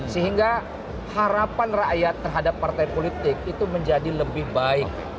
sehingga harapan rakyat terhadap partai politik itu menjadi lebih baik